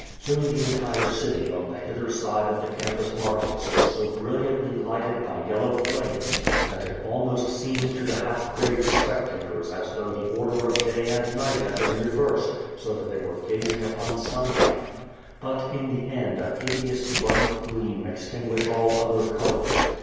Soon the entire city on the hither side of the Campus Martins was so bril liantly lighted by yellow flames that it almost seemed to the half crazed spectators as though the order of day and night had been reversed so that they were gazing upon sun shme. But in the end a hideous bloody gleam extinguished all other colors.